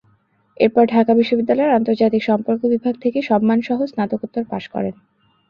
এরপর ঢাকা বিশ্ববিদ্যালয়ের আন্তর্জাতিক সম্পর্ক বিভাগ থেকে সম্মানসহ স্নাতকোত্তর পাস করে।